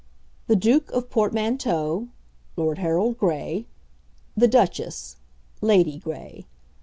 The Duke of Portmanteau .... Lord Harold Gray. The Duchess ................ Lady Gray.